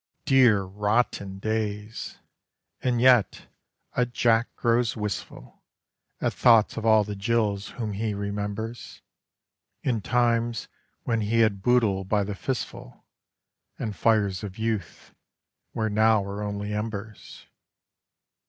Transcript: Dear, rotten days! And yet, a Jack grows wistful At thoughts of all the Jills whom he remembers, In times when he had boodle by the fist full And fires of youth where now are only embers.